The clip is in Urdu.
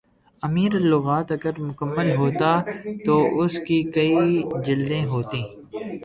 امیر اللغات اگر مکمل ہوتا تو اس کی کئی جلدیں ہوتیں